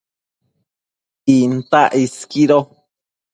Intac isquido